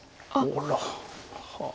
あら。はあ。